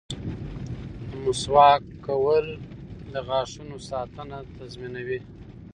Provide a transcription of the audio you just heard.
• د مسواک کول د غاښونو ساتنه تضمینوي.